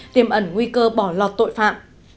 tiềm ẩn nguy cơ bỏ lọt tội phạm